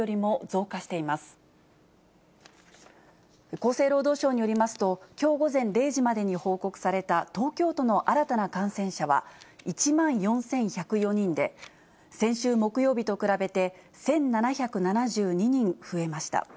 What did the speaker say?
厚生労働省によりますと、きょう午前０時までに報告された東京都の新たな感染者は１万４１０４人で、先週木曜日と比べて１７７２人増えました。